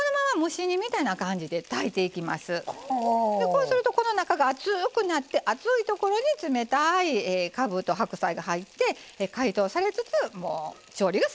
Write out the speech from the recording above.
こうするとこの中が熱くなって熱いところに冷たいかぶと白菜が入って解凍されつつ調理が進んでいく。